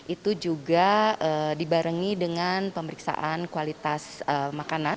itu juga dibarengi dengan pemeriksaan kualitas makanan